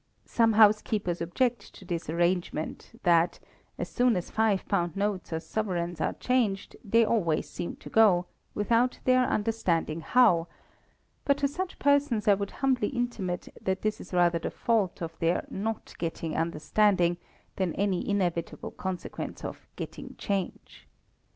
Some housekeepers object to this arrangement, that, "as soon as five pound notes or sovereigns are changed, they always seem to go, without their understanding how;" but to such persons I would humbly intimate, that this is rather the fault of their not getting understanding, than any inevitable consequence of getting change.